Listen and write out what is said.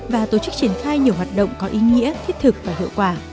và tổ chức triển khai nhiều hoạt động có ý nghĩa thiết thực và hiệu quả